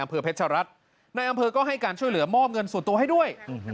มีการช่วยเหลือมอบเงินส่วนตัวให้ด้วย